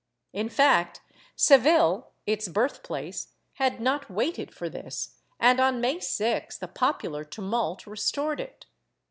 In fact, Seville, its birth place, had not waited for this and, on May 6th, a popular tumult restored it.